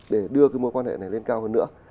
để đưa cái mối quan hệ này lên cao hơn nữa